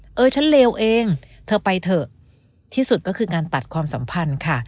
เออฉันเลวเองเธอไปเถอะที่สุดก็คือการตัดความสัมพันธ์ค่ะ